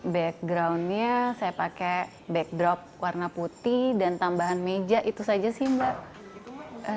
background nya saya pakai backdrop warna putih dan tambahan meja itu saja sih